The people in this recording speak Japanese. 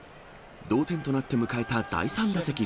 同点となって迎えた第３打席。